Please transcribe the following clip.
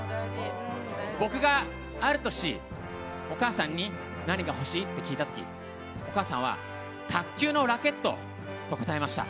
僕がある年、お母さんに何が欲しい？って聞いた時お母さんは卓球のラケットと答えました。